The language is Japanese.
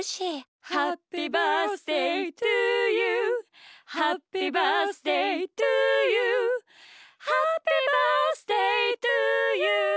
「ハッピバースデートゥーユー」「ハッピバースデートゥーユーハッピバースデートゥーユー」